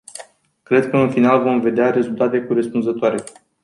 Cred că în final vom vedea rezultate corespunzătoare.